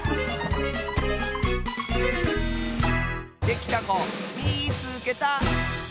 できたこみいつけた！